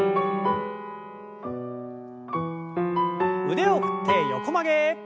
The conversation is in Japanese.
腕を振って横曲げ。